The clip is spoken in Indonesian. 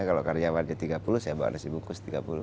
kalau karyawannya tiga puluh saya bawa nasi bungkus tiga puluh